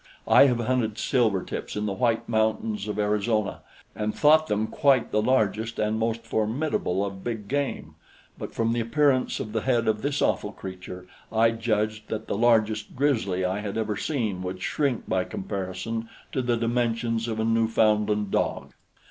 I have hunted silvertips in the White Mountains of Arizona and thought them quite the largest and most formidable of big game; but from the appearance of the head of this awful creature I judged that the largest grizzly I had ever seen would shrink by comparison to the dimensions of a Newfoundland dog.